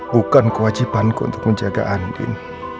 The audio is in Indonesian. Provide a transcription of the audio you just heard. bukan kewajibanku untuk menjaga andin